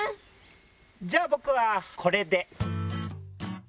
じゃあ僕はこれで。